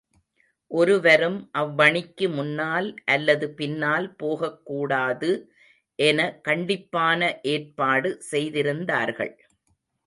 ஒருவரும் அவ்வணிக்கு முன்னால் அல்லது பின்னால் போகக்கூடாது என கண்டிப்பான ஏற்பாடு செய்திருந்தார்கள்.